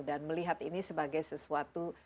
dan melihat ini sebagai sesuatu